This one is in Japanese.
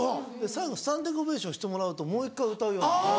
最後スタンディングオベーションしてもらうともう一回歌うようになる。